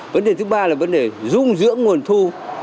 vấn đề thứ ba là vấn đề dung dưỡng nguồn thu